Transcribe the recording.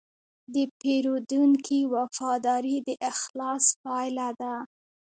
د پیرودونکي وفاداري د اخلاص پایله ده.